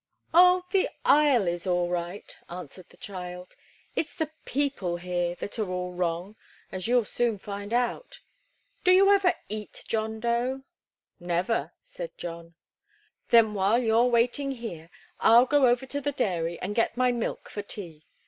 "Oh, the Isle is all right," answered the child. "It's the people here that are all wrong, as you'll soon find out. Do you ever eat, John Dough?" "Never," said John. "Then, while you're waiting here, I'll go over to the dairy and get my milk for tea.